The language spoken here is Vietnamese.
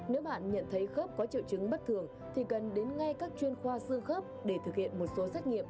nếu bạn nhận thấy khớp có triệu chứng bất thường thì cần đến ngay các chuyên khoa xương khớp để thực hiện một số xét nghiệm